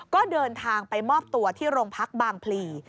ก็เดินทางไปมอบตัวที่โรงพักบางพลี